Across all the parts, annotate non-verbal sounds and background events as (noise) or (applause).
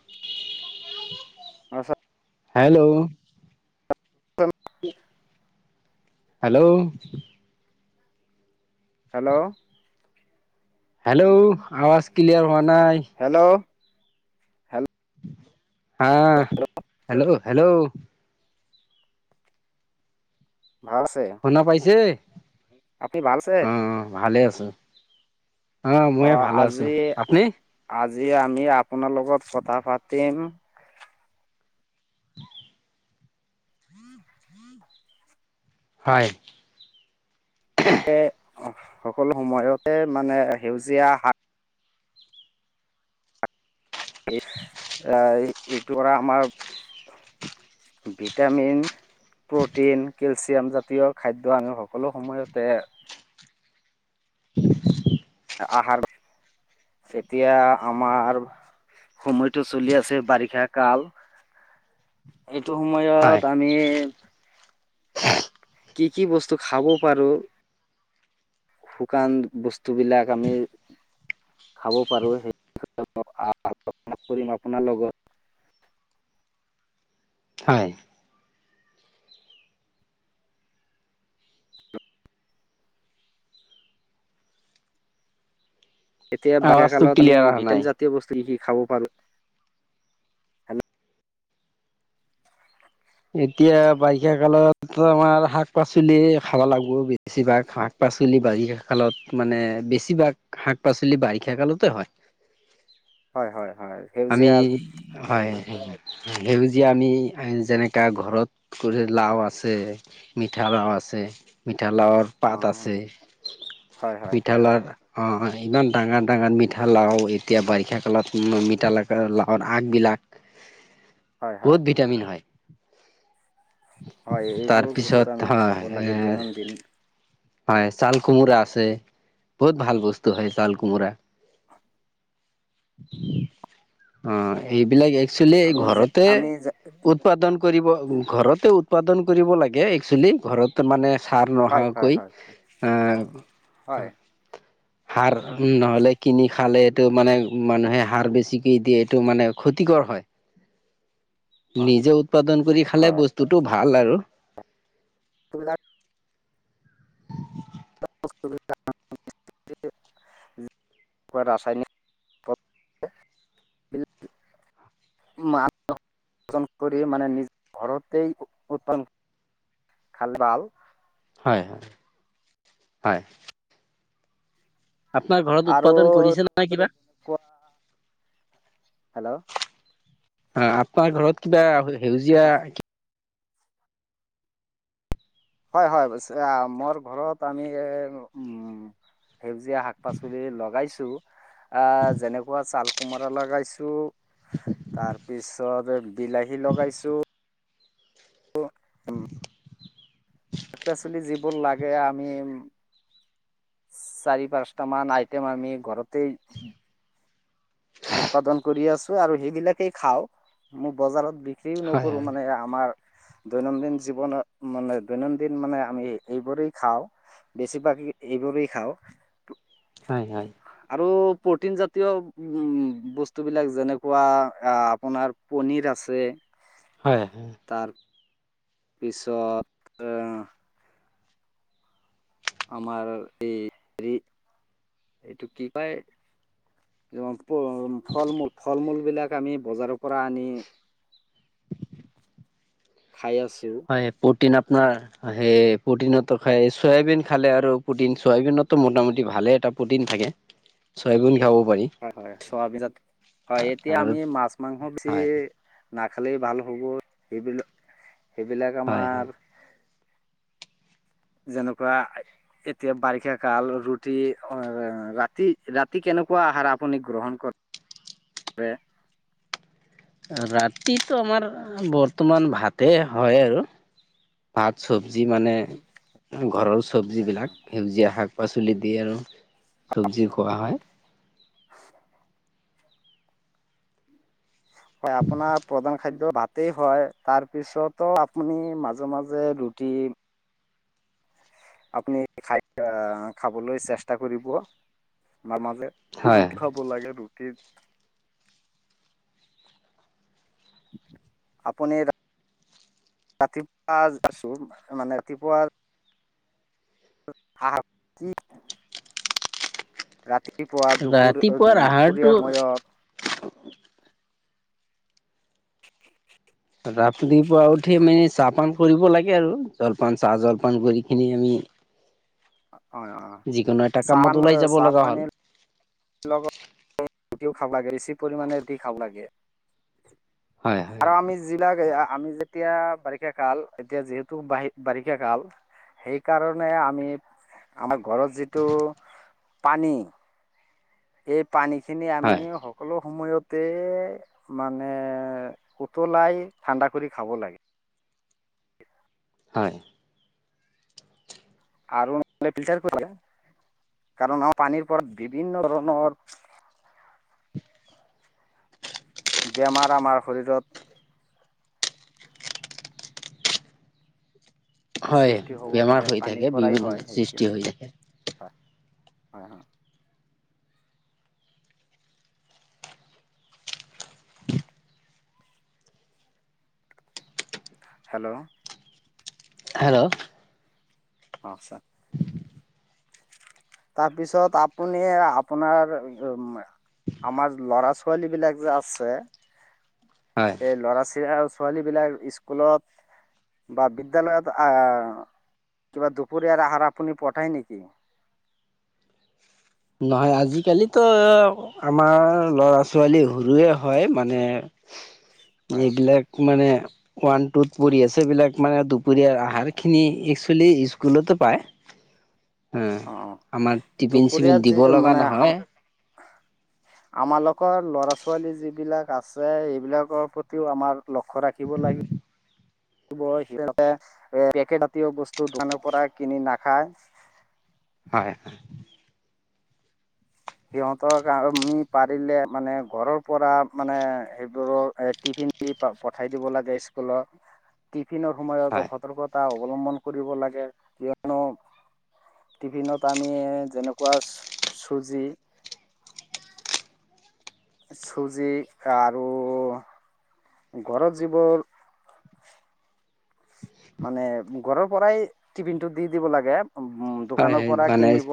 (unintelligible) Hello, hello. Hello. Hello, আৱাজ clear হোৱা নাই। হেল্ল'। হেল্ল' হা, হেল্ল' হেল্ল'। ভাল আছে। শু পাইছে আপুনি ভাল আছে অ ভালে আছোঁ। অ মইও ভালে আছোঁ। আপুনি? আজি আমি আপোনাৰ লগত কথা পাতিম হয় সকলো সময়তে মানে সেউজীয়া শাক এ এইটোৰ পৰা আমাৰ ভিটামিন প্ৰ'টিন কেলছিয়াম জাতীয় খাদ্য আমি সকলো সময়তে আহাৰ তেতিয়া আমাৰ সময়টো চলি আছে বাৰিষা কাল এইটো হয় সময়ত আমি কি কি বস্তু খাব পাৰোঁ - শুকান বস্তুবিলাক আমি খাব পাৰোঁ সেই আলোচনা কৰিম আপোনাৰ লগত হয় এতিয়া বাৰিষা আৱাজটো কালত আমি ক্লিয়াৰ অহা নাই ভিটামিন জাতীয় বস্তু কি কি খাব পাৰো হেল্ল'? এতিয়া বাৰিষা কালত আমাৰ শাক পাচলি খাব লাগিব বেছিভাগ শাক শাক পাচলি বাৰিষা কালত মানে বেছিভাগ শাক পাচলি বাৰিষা কালতে হয় হয় হয় হয় আমি সেউজীয়া হয় সেউজীয়া আমি যেনেকে কা ঘৰত কৰি লাও আছে মিঠা লাও আছে মিঠা লাওৰ অ পাত আছে হয় হয় পিঠা হয় লাওৰ অ হয় ইমান ডাঙৰ ডাঙৰ মিঠা লাও এতিয়া বাৰিষা কালত মিঠা লাওৰ আগবিলাক (inaudible) বহুত ভিটামিন হয় হয় এইবোৰ তাৰপিছত বস্তু আমি হয় খাব লাগে দৈনন্দিন হয় চাল কোমোৰা আছে বহুত ভাল বস্তু হয় চাল কোমোৰা অ এইবিলাক এক্সুৱেলি আমি যে ঘৰতে আমি যে উৎপাদন কৰিব ঘৰতে উৎপাদন কৰিব লাগে এক্সুৱেলি ঘৰত তাৰ মানে সাৰ হয় হয় নোহোৱাকৈ হয় (inaudible) সাৰ নহ'লে কিনি খালে এইটো মানে মানুহে সাৰ বেছিকে দিয়ে এইটো মানে ক্ষতিকৰ হয় (inaudible) অ নিজে উৎপাদন কৰি খালে হয় বস্তুটো ভাল আৰু তোম (unintelligible) (unintelligible) (unintelligible) ৰাসায়নিক বিল (unintelligible) মানদণ্ড কৰি মানে নিজৰ ঘৰতেই উৎপাদন খাল ভাল হয় হয় হয় আপোনাৰ ঘৰত আৰু উৎপাদন কৰিছে নে নাই কিবা? কোৱা হেল্ল' অ আপোনাৰ ঘৰত কিবা সেউজীয়া হয় হয় মোৰ ঘৰত আমি উম সেউজীয়া শাক পাচলি লগাইছো অ যেনেকুৱা চাল কোমৰা লগাইছোঁ তাৰপিছত বিলাহী লগাইছো। শাক-পাচলি যিবোৰ লাগে আমি চাৰি পাঁচটা মান আইটেম আমি ঘৰতে উৎপাদন কৰি আছো আৰু সেইবিলাকেই খাওঁ, মই বজাৰত বিক্ৰীও হয় নকৰো হয় মানে আমাৰ দৈনন্দিন জীৱনত মানে দৈনন্দিন মানে আমি এইবোৰেই খাওঁ। বেছিভাগ এইবোৰেই খাওঁ। হয়, হয়। আৰু প্ৰটিন জাতীয় উম, বস্তুবিলাক যেনেকুৱা আপোনাৰ পনীৰ আছে। হয়, হয়। তাৰ তাৰ পিছত আমাৰ এই হেৰি, এইটো কি কয় ফল-মূল ফল-মূলবিলাক আমি বজাৰৰ পৰা আনি খাই আছো। হয়, প্ৰ'টিন আপোনাৰ সে প্ৰটিনতো খায় চয়াবিন খালে আৰু প্ৰটিন চয়াবিনতো মোটামুট ভালে এটা প্ৰটিন থাকে, চয়াবিন খাব পাৰি। হয়, হয়, চোৱাবিনত হয়, এতিয়া আৰু আমি মাছ-মাংস বেছি হয় নাখালেই ভাল হ'ব, সেইবিলাক সেইবিলাক হয় আমাৰ হয় যেনেকুৱা এতিয়া বাৰিষা কাল ৰুটি ৰাতি -ৰাতি কেনেকুৱা আহাৰ আপুনি গ্ৰহণ কৰে? ৰাতিটো আমাৰ বৰ্তমান ভাতে হয়, আৰু। ভাত চব্জি মানে ঘৰৰ চব্জিবিলাক সেউজীয়া শাক-পাচলি দি আৰু চবজি খোৱা হয়। (inaudible) হয় আপোনাৰ প্ৰধান খাদ্য ভাতেই হয়, তাৰপিছতো আপুনি মাজে মাজে ৰুটি আপুনি খাই খাবলৈ চেষ্টা কৰিব, মা-মাজে হয় ৰুটি খাব লাগে, ৰুটি আপুনি ৰাতিপুৱা আছো মানে ৰাতিপুৱা আহ (unintelligible) ৰাতিপুৱা দুপৰীয়া উম, ৰাতিপুৱাৰ আহাৰটো দুপৰীয়াৰ সময়ত। ৰাপতিপুৱা উঠি মানে চাহ-পান কৰিব লাগে আৰু জলপান চাহ-জলপান কৰি কিনি আমি হয়, হয়, যিকোনো এটা কামত চান ওলাই যাব লগা হ'ল চাহ-পানীৰ ৰুটিও খাব লাগে বেছি পৰিমাণে ৰুটি খাব লাগে হয় হয় আৰু আমি যিবিলাক এইয়া আমি যেতিয়া বাৰিষা কাল, এতিয়া যিহেতু বা-বাৰিষা কাল। সেইকাৰণে আমি আমাৰ ঘৰত যিটো পানী। সেই পানীখিনি আমি হয় সকলো সময়ত তে মানে উতলাই ঠাণ্ডা কৰি খাব লাগে। হয়। আৰু নহ'লে ফিল্টাৰ কৰি দিয়া কাৰন, আমাৰ পানীৰ পৰা বিভিন্ন ধৰণৰ বেমাৰ আমাৰ শৰীৰত হয়, সৃষ্টি হ'ব পাৰে বেমাৰ হৈ পানীৰ থাকে পৰাই হয় বিভিন্নধৰণৰ সেইটো সৃষ্টি হৈ থাকে। হয়, হয়, হয়। হেল্ল'। হেল্ল'। অ', ছাৰ তাৰপিছত আপুনি, আপোনাৰ উ ম আমাৰ ল'ৰা ছোৱালীবিলাক যে আছে হয়। এই ল'ৰা, ছিআ, ছোৱালীবিলাক ইস্কুলত বা বিদ্যালয়ত আ, কিবা দুপৰীয়াৰ আহাৰ আপুনি পঠায় নেকি? নহয়, আজিকালিতো আমাৰ ল'ৰা ছোৱালী সৰুৱে হয়, মানে হয় এইবিলাক মানে, ওৱান টুত পঢ়ি আছে, এইবলাক মানে দুপ দুপৰীয়াৰ আহাৰ খিনি একচুৱেলি ইস্কুলতে পায়। অঁ অঁ আমাৰ টিফিন দুপৰীয়াত চিফিন যি দিব লগা মানে আম নহয়। আমালোকৰ লৰা ছোৱালী যিবিলাক আছে সেইবিলাকৰ প্ৰতিও আমাৰ লক্ষ্য ৰাখিব লাগিব। (inaudible) সিহঁতে পেকেট জাতীয় বস্তু দোকানৰ পৰা কিনি নাখায়। হয়। সিহঁতক আমি পাৰিলে মানে ঘৰৰ পৰা মানে সেইবোৰৰ এ টিফিন দি পঠাই দিব লাগে ইস্কুলত, টিফিনৰ সময়তো হয়। সতৰ্কত টা অৱলম্বন কৰিব লাগে, কিয়নো টিফিনত আমি যেনেকুৱা চুজি চুজি আৰু ঘৰত যিবোৰ মানে ঘৰৰ পৰাই টিফিন টো দি দিব লাগে, উম, অ' হয় দোকানৰ পৰা মানে কিনিব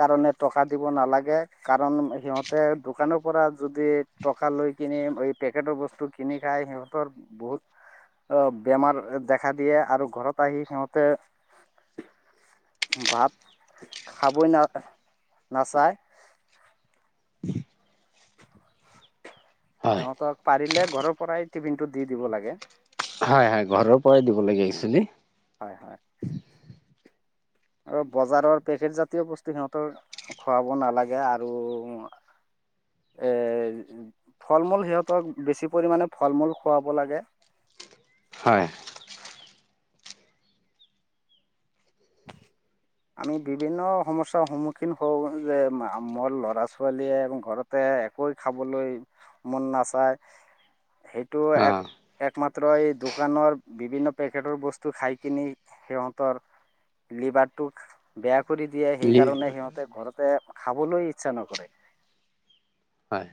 কাৰণে টকা দিব নালাগে, কাৰণ সিহঁতে দোকানৰ পৰা যদি টকা লৈ কিনে এই পেকেটৰ বস্তু কিনি খাই সিহঁতৰ বহুত অ', বেমাৰ দেখা দিয়ে আৰু ঘৰত আহি সিহঁতে ভাত খাবই না, নাচায়। (inaudible) হয়। সিহঁতক পাৰিলে ঘৰৰ পৰাই টিফিনটো দি দিব লাগে। হয়, হয়, ঘৰৰ পৰাই দিব লাগে একচুৱেলি। হয়, হয়। আৰু বজাৰৰ পেকেট জাতীয় বস্তু সিহঁতৰ খুৱাব নালাগে আৰু ফল মূল সিহঁতক, বেছি পৰিমাণে ফল মূল খোৱাব লাগে। হয়। আমি বিভিন্ন সমস্যাৰ সন্মুখীন হওঁ যে মোৰ ল'ৰা ছোৱালীয়ে ঘৰত তাতে একোৱে খাবলৈ মন নাচায়, সেইটোও অ এক একমাত্ৰ এই দোকানৰ বিভিন্ন পেকেটৰ বস্তু খাই কিনি সিহঁতৰ লিভাৰটোক বেয়া কৰি দিয়ে সেইকাৰণে সিহঁতে ঘৰতে খাবলৈ ইচ্ছা নকৰে। হয়।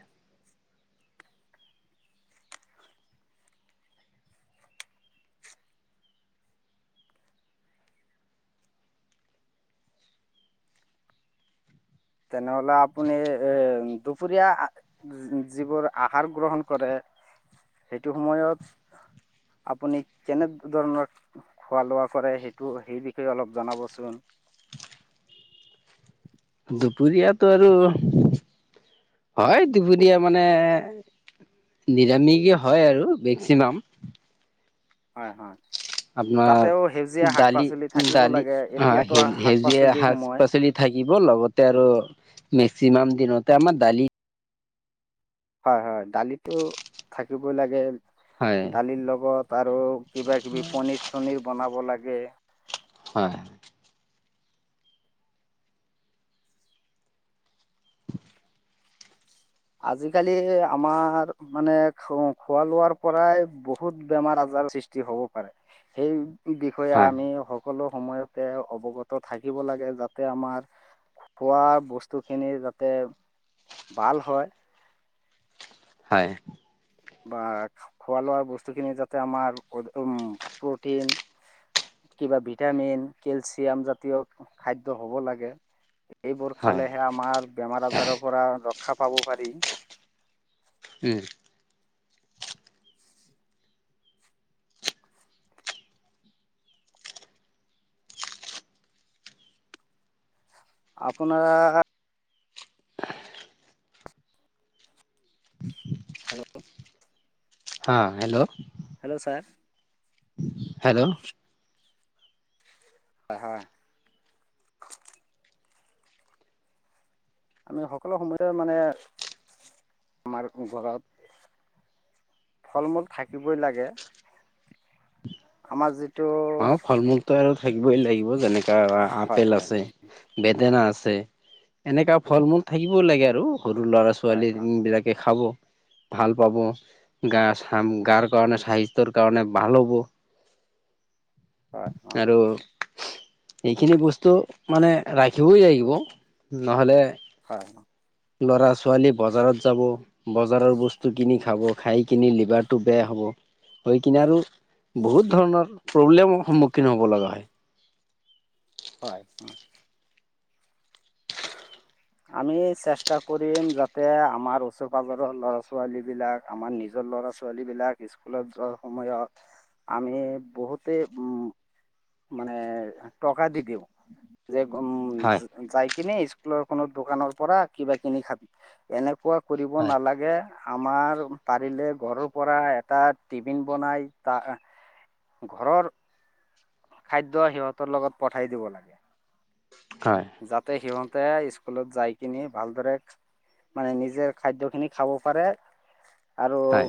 তেনেহলে আপুনি এই দুপৰীয়া যিবোৰ আহাৰ গ্ৰহণ কৰে, সেইটো সময়ত আপুনি কেনে ধৰণৰ? খোৱা লোৱা কৰে সেইটো সেই বিষয়ে অলপ জনাবচোন। দুপৰীয়াতো আৰু, হয় দুপৰীয়া মানে নিৰামিষে হয় আৰু মেক্সিমাম। হয় হয়। আপোনাৰ তাতেও সেউজীয়া শাক দালি পাচলি থাকিব দালি লাগে অঁ এতিয়াতো শাক সেউজীয়া পাচলিৰ শাক সময় পাচলি থাকিব, লগতে আৰু মেক্সিমাম দিনতে আমা দালি হয় হয় দালিতো থাকিই লাগে। হয় দালিৰ লগত আৰু কিবা কিবি পনিৰ চনিৰ বনাব লাগে। হয়। আজিকালি আমাৰ মানে খোৱা লোৱাৰ পৰাই বহুত বেমাৰ আজাৰ সৃষ্ টি হব পাৰে সেইটো বিষয়ে হয় আমি স সকলো সময়তে অৱগত থাকিব লাগে যাতে আমাৰ খোৱা বস্তু খিনি যাতে ভাল হয়। হয়। বা খোৱা লোৱা বস্তুখিনি যাতে আমাৰ প উম্ প্ৰটিন কিবা ভিটামিন কেলচিয়াম জাতীয় খাদ্য হ'ব লাগে এইবোৰ হয় খালেহে আমাৰ বেমাৰ আজাৰৰ পৰা ৰক্ষা পাব পাৰি। উহ। আপোনাৰ হেল্লৌ। হা হেল্লৌ। হেল্লৌ' ছাৰ অঁ হেল্ল' হয় হয়। আমি সকলো সময়তে মানে আমাৰ ঘৰত ফল মূল থাকিবই লাগে, আমাৰ যি অ ফল মূলতো আৰু থাকিবই লাগিব যেনেকা হয় আপেল হয় আছে হয় বেদেনা আছে এনেকা ফল মূল থাকিবও লাগে আৰু। সৰু ল'ৰা হয় হয় ছোৱালী বিলাকে খাব। ভাল পাব গা চাম গাৰ কাৰণে স্বাস্থ্য কাৰণে ভাল হ'ব। হয় আৰু এইখিনি বস্তু মানে ৰাখিবই লাগিব, নহলে হয়। ল'ৰা ছোৱালী বজাৰত যাব বজাৰৰ বস্তু কিনি খাব, খায় কিনি লিভাৰটো বেয়া হ'ব। হৈ কিনে আৰু বহুত ধৰণৰ প্ৰব্লেমৰ সন্মুখীন হ'ব লগা হয়। হয়। (inaudible) আমি চেষ্টা কৰিম যাতে আমাৰ ওচৰ পাজৰৰ ল'ৰা ছোৱালী বিলাক আমাৰ নিজৰ ল'ৰা ছোৱালী বিলাক ইস্কুলত যোৱাৰ সময়ত আমি বহুতে উম মানে টকা দি দিওঁ। যে উম হয় যায় কিনি ইস্কুলৰ কোনো দোকানৰ পৰা কিবা কিনি খাবি এনেকুৱা কৰিব হয় নালাগে আমাৰ পাৰিলে ঘৰৰ পৰা এটা টিফিন বনাই তা ঘৰৰ খাদ্য সিহঁতৰ লগত পঠাই দিব লাগে। হয়। যাতে সিহঁতে ইস্কুলত যায় কিনি ভালদৰে মানে নিজে খাদ্য খিনি খাব পাৰে, আৰু হয়।